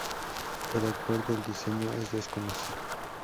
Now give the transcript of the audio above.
El autor del diseño es desconocido.